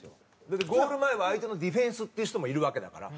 だってゴール前は相手のディフェンスっていう人もいるわけだから。